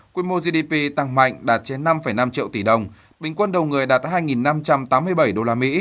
quy mô gdp tăng mạnh đạt trên năm năm triệu tỷ đồng bình quân đầu người đạt hai năm trăm tám mươi bảy usd